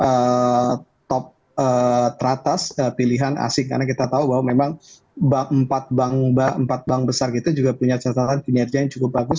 jadi kita tidak bisa mencari top teratas pilihan asing karena kita tahu bahwa memang empat bank besar kita juga punya catatan penyediaan yang cukup bagus